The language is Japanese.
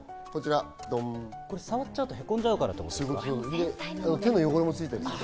触っちゃうとへこんじゃうからってことですかね？